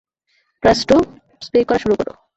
Castro, spray করা শুরু করো।